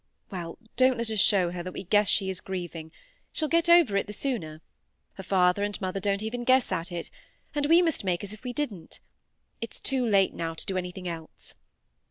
"Well! don't let us show her we guess that she is grieving; she'll get over it the sooner. Her father and mother don't even guess at it, and we must make as if we didn't. It's too late now to do anything else."